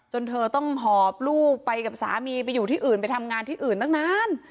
เธอต้องหอบลูกไปกับสามีไปอยู่ที่อื่นไปทำงานที่อื่นตั้งนาน